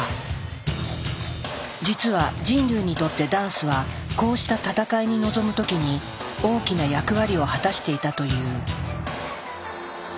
実は人類にとってダンスはこうした闘いに臨む時に大きな役割を果たしていたという。